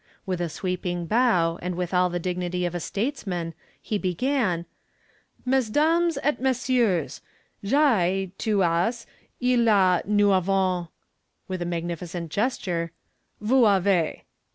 With a sweeping bow and with all the dignity of a statesman he began: "Mesdames et Messieurs: J'ai, tu as, il a, nous avons," with a magnificent gesture, "vous avez."